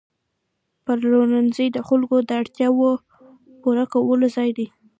پلورنځی د خلکو د اړتیاوو پوره کولو ځای دی.